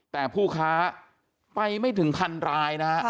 แต่ผู้ค้าไปไม่ถึงพันรายนะฮะ